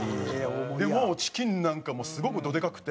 でもうチキンなんかもすごくドでかくて。